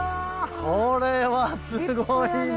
これはすごいな！